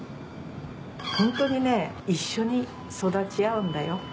ホントにね一緒に育ち合うんだよ。